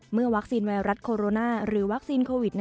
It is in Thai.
เมื่อวัคซีนไวรัสโคโรนาหรือวัคซีนโควิด